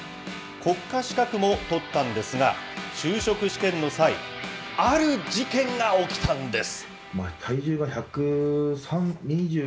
国家資格も取ったんですが、就職試験の際、ある事件が起きたんです。